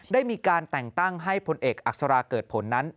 ได้มีการแต่งตั้งให้พลเอกอักษราเกิดผลนั้น